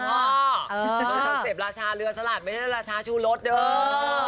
มันจะเสพราชาเหลือสลัดไม่ใช่ราชชูรสเอง